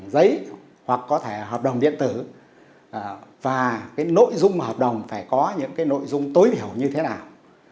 giấy hoặc có thể hợp đồng điện tử và cái nội dung mà hợp đồng phải có những cái nội dung tối hiểu như thế nào